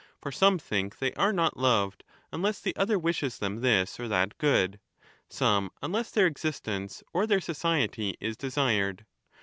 For some think they are not loved, unless the other wishes them this or that good,* some unless their existence or their society is desired.